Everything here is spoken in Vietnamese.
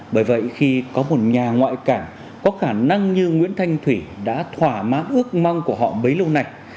bởi vậy khi có một nhà ngoại cảng có khả năng như nguyễn thanh thủy đã thỏa mãn ước mong của họ bấy lâu nay